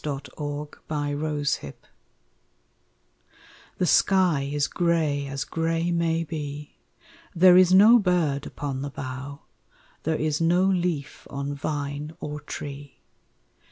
NO SONGS IN WINTER The sky is gray as gray may be, There is no bird upon the bough, There is no leaf on vine or tree.